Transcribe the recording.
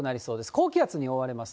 高気圧に覆われます。